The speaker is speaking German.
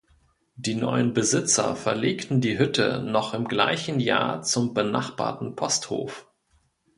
Die neuen Besitzer verlegten die Hütte noch im gleichen Jahr zum benachbarten Posthof.